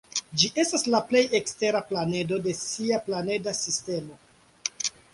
Ĝi estas la plej ekstera planedo de sia planeda sistemo.